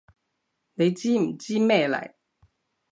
你知唔知咩嚟？